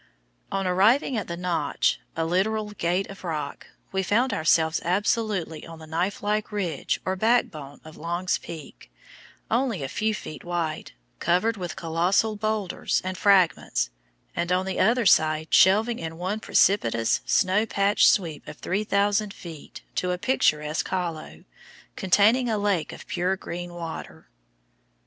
On arriving at the "Notch" (a literal gate of rock), we found ourselves absolutely on the knifelike ridge or backbone of Long's Peak, only a few feet wide, covered with colossal boulders and fragments, and on the other side shelving in one precipitous, snow patched sweep of 3,000 feet to a picturesque hollow, containing a lake of pure green water.